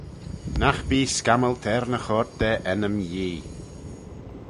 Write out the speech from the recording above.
Nagh bee scammylt er ny choyrt da ennym Yee.